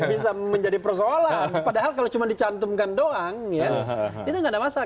bisa menjadi persoalan padahal kalau cuma dicantumkan doang ya itu nggak ada masalah